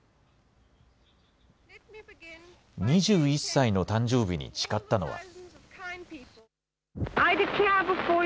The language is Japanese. ２１歳の誕生日に誓ったのは。